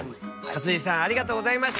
勝地さんありがとうございました。